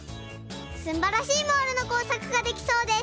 すんばらしいモールのこうさくができそうです！